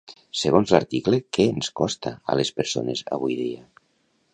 Segons l'article, què ens costa a les persones avui dia?